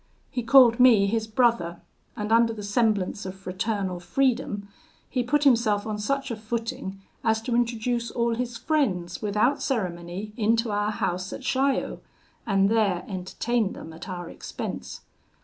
He called me his brother, and, under the semblance of fraternal freedom, he put himself on such a footing as to introduce all his friends without ceremony into our house at Chaillot, and there entertain them at our expense.